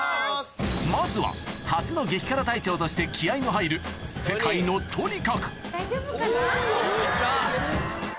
まずは初の激辛隊長として気合が入る大丈夫かな？